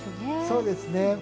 そうですね。